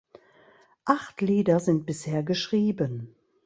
Acht Lieder sind bisher geschrieben.